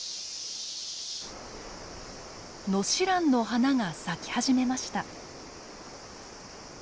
ノシランの花が咲き始めました。